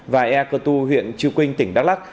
và ea cơ tu huyện chư quynh tỉnh đắk lắc